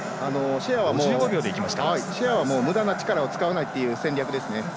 シェアはむだな力を使わないという戦略ですね。